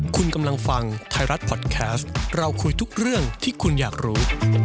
คุณกำลังฟังไทยรัฐพอดแคสต์เราคุยทุกเรื่องที่คุณอยากรู้